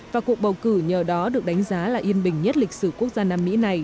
và cuộc bầu cử nhờ đó được đánh giá là yên bình nhất lịch sử quốc gia nam mỹ này